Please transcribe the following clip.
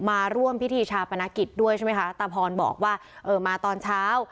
มาร่วมพิธีชาปนกิจด้วยใช่ไหมคะตาพรบอกว่าเออมาตอนเช้า